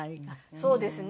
そうですね。